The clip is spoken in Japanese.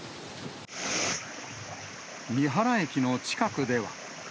三原駅の近くでは。